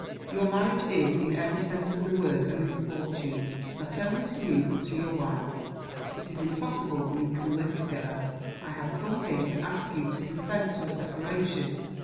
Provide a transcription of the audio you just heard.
"Your marriage is, in every sense of the word, a misfortune not only to you but to your wife. It is impossible that you can live together. I have come here to ask you to consent to a separation.